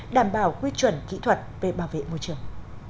đảm bảo quy chuẩn kỹ thuật về bảo vệ môi trường